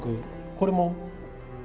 これも。